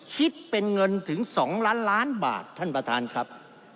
คิดเป็นเงินถึง๒ล้านล้านบาทท่านประธานครับ